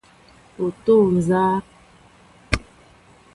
O toóŋ nzá ?